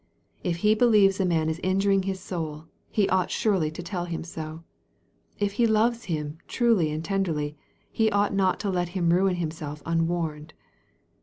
If hi believes a man is injuring his soul, he ought surely to tell him so. If he loves him ti uly and tenderly, he ought not to let him ruin himself unwarned.